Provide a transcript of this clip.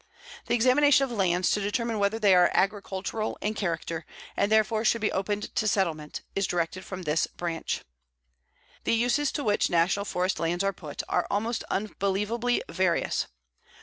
The examination of lands to determine whether they are agricultural in character, and therefore should be opened to settlement, is directed from this Branch. The uses to which National Forest lands are put are almost unbelievably various.